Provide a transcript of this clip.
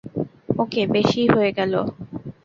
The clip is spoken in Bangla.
ওকে, বেশিই হয়ে গেল।